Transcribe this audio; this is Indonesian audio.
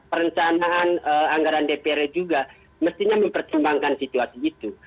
perencanaan anggaran dpr juga mestinya mempertimbangkan situasi itu